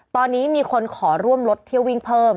ตอนนี้มีคนขอร่วมรถเที่ยววิ่งเพิ่ม